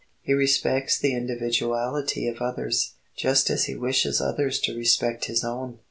He respects the individuality of others, just as he wishes others to respect his own.